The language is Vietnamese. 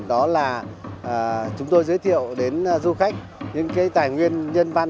đó là chúng tôi giới thiệu đến du khách những tài nguyên nhân văn